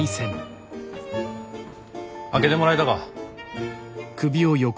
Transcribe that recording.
開けてもらえたか？